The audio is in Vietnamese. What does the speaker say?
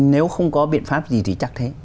nếu không có biện pháp gì thì chắc thế